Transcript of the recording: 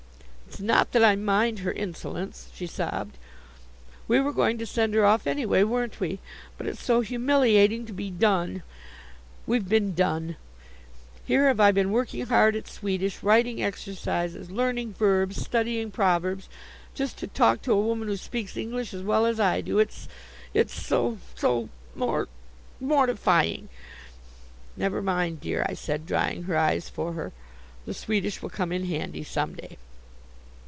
"It's not that I mind her insolence," she sobbed, "we were going to send her off anyway, weren't we? But it's so humiliating to be 'done.' We've been 'done.' Here have I been working hard at Swedish writing exercises, learning verbs, studying proverbs just to talk to a woman who speaks English as well as I do. It's it's so so mor mortifying." "Never mind, dear," I said, drying her eyes for her; "the Swedish will come in handy some day."